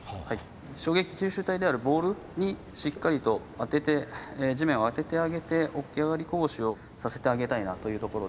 衝撃吸収体であるボールにしっかりと当てて地面を当ててあげて起き上がりこぼしをさせてあげたいなというところで。